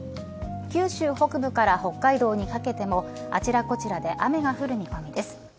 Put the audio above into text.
九州北部から北海道にかけてもあちらこちらで雨が降る見込みです。